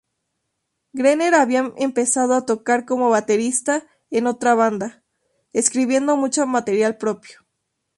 Greener había empezado a tocar como baterista en otra banda, escribiendo mucho material propio.